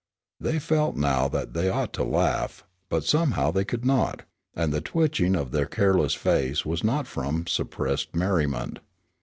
They felt now that they ought to laugh, but somehow they could not, and the twitching of their careless faces was not from suppressed merriment.